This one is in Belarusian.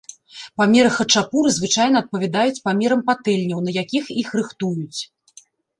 Памеры хачапуры звычайна адпавядаюць памерам патэльняў, на якіх іх рыхтуюць.